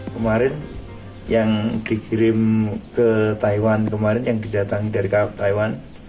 kemarin yang dikirim ke taiwan yang didatang dari taiwan